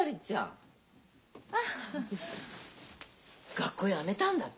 学校やめたんだって？